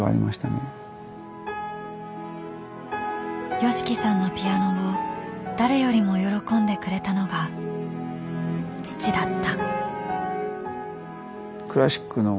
ＹＯＳＨＩＫＩさんのピアノを誰よりも喜んでくれたのが父だった。